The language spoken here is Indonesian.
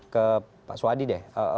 ke pak swadi deh